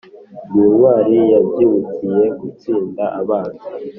Ndi intwari yabyirukiye gutsinda abanzi